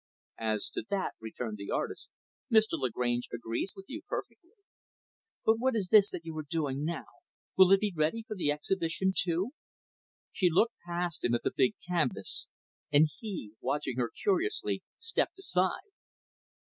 "As to that," returned the artist, "Mr. Lagrange agrees with you, perfectly." "But what is this that you are doing now? Will it be ready for the exhibition too?" She looked past him, at the big canvas; and he, watching her curiously stepped aside.